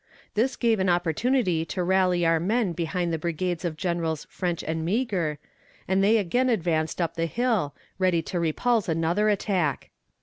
This gave an opportunity to rally our men behind the brigades of Generals French and Meagher, and they again advanced up the hill, ready to repulse another attack.